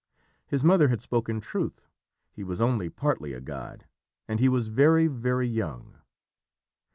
His mother had spoken truth. He was only partly a god, and he was very, very young.